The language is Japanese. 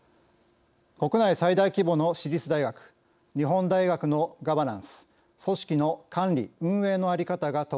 国内最大規模の私立大学日本大学のガバナンス組織の管理・運営の在り方が問われています。